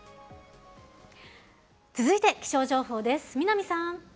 続いて気象情報です。